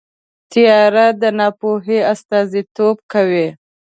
تیاره د ناپوهۍ استازیتوب کوي.